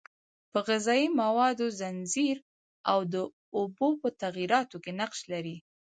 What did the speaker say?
په غذایي موادو ځنځیر او د اوبو په تغییراتو کې نقش لري.